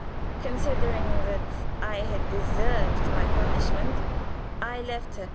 "Considering that I had deserved my punishment, I left her.